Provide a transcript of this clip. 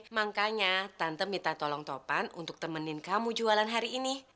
makanya tante minta tolong topan untuk temenin kamu jualan hari ini